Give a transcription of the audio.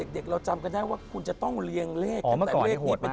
เด็กเราจำกันได้ว่าคุณจะต้องเลี่ยงเลขอ๋อเมื่อก่อนเฮียโหดมาก